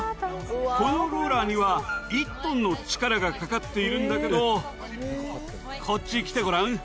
このローラーには１トンの力がかかっているんだけどこっち来てごらん。